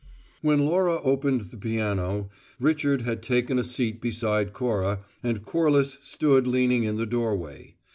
When Laura opened the piano, Richard had taken a seat beside Cora, and Corliss stood leaning in the doorway.